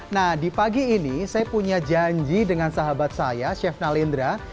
nah di pagi ini saya punya janji dengan sahabat saya chef nalindra